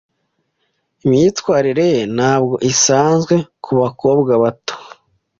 Imyitwarire ye ntabwo isanzwe kubakobwa bato.